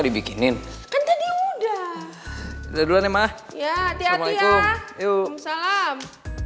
dibikinin kan tadi udah udah emang ya tiap salam